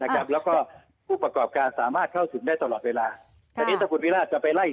แล้วก็ผู้ประกอบการสามารถเข้าถึงได้ตลอดเวลาแต่นี้ถ้าคุณวิราชจะไปไล่